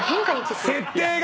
設定が！